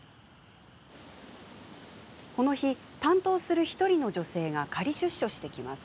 この日、担当する１人の女性が仮出所してきます。